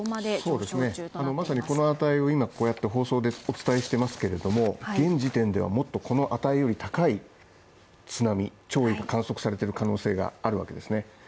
まさにこの値を今こうやって放送でお伝えしてますけれども現時点ではもっとこの値より高い津波、潮位が観測されている可能性があるわけですね